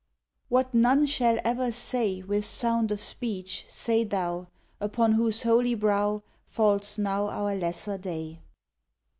What none shall ever say With sound of speech, say thou, Upon whose holy brow Falls now our lesser day.